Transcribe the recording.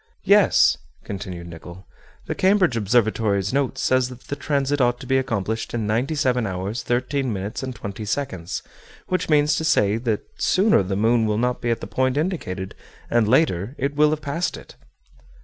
"Yes," continued Nicholl. "The Cambridge Observatory's note says that the transit ought to be accomplished in ninety seven hours thirteen minutes and twenty seconds; which means to say, that sooner the moon will not be at the point indicated, and later it will have passed it."